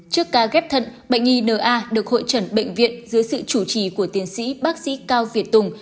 trước ca ghép thận bệnh nhi na được hội trần bệnh viện dưới sự chủ trì của tiến sĩ bác sĩ cao việt tùng